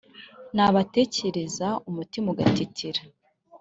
Nabatekereza umutima ugatitira